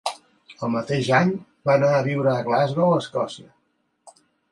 El mateix any va anar a viure a Glasgow, Escòcia.